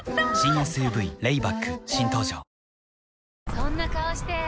そんな顔して！